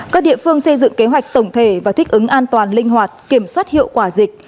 các địa phương xây dựng kế hoạch tổng thể và thích ứng an toàn linh hoạt kiểm soát hiệu quả dịch